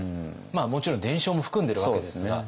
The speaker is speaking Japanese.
もちろん伝承も含んでいるわけですが。